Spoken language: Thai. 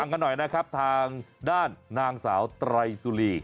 กันหน่อยนะครับทางด้านนางสาวไตรสุรี